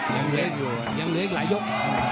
ยังเหลืออีกหลายยก